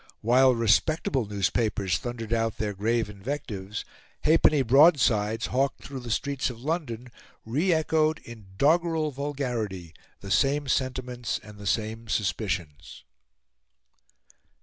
While respectable newspapers thundered out their grave invectives, halfpenny broadsides, hawked through the streets of London, re echoed in doggerel vulgarity the same sentiments and the same suspicions(*).